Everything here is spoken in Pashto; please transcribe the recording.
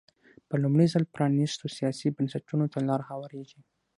په لومړي ځل پرانېستو سیاسي بنسټونو ته لار هوارېږي.